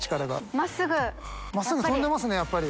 真っすぐ飛んでますねやっぱり。